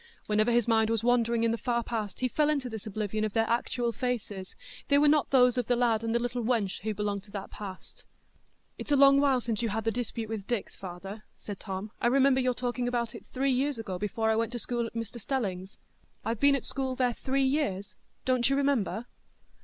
Whenever his mind was wandering in the far past, he fell into this oblivion of their actual faces; they were not those of the lad and the little wench who belonged to that past. "It's a long while since you had the dispute with Dix, father," said Tom. "I remember your talking about it three years ago, before I went to school at Mr Stelling's. I've been at school there three years; don't you remember?"